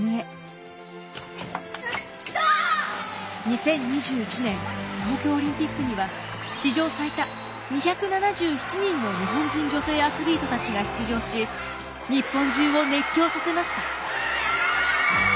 ２０２１年東京オリンピックには史上最多２７７人の日本人女性アスリートたちが出場し日本中を熱狂させました。